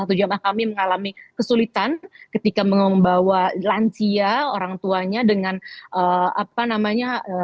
atau jamaah kami mengalami kesulitan ketika membawa lansia orang tuanya dengan apa namanya